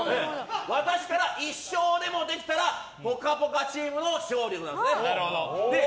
私から１勝でもできたら「ぽかぽか」チームの勝利でございます。